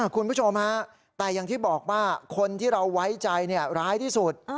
คุณผู้ชมฮะแต่อย่างที่บอกว่าคนที่เราไว้ใจร้ายที่สุด